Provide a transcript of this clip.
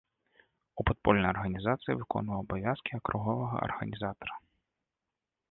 У падпольнай арганізацыі выконваў абавязкі акруговага арганізатара.